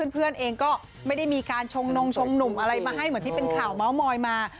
เพื่อนเองก็ไม่ได้มีการชงนงชงหนุ่มอะไรมาให้เหมือนที่เป็นข่าวเมาส์มอยมา